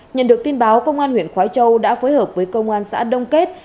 nhận được tin báo công an huyện khói châu đã phối hợp với công an xã đông kết